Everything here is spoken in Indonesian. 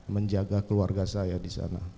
menjaga keluarga saya disana